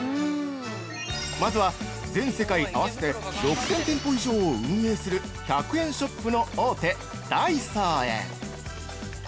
まずは、全世界合わせて６０００店舗以上を運営する１００円ショップの大手ダイソーへ。